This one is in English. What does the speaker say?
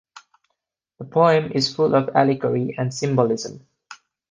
The poem is full of allegory and symbolism.